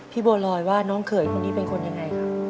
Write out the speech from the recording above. พี่โบรอยว่าน้องเผยคนที่เป็นคนยังไง